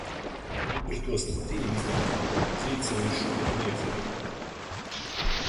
Упркос тим измјенама, опозиција још увијек није задовољна.